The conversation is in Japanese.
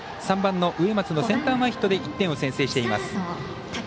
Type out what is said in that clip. ３番の植松のセンター前ヒットで１点を先制しています。